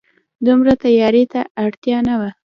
دومره تياري ته اړتيا نه وه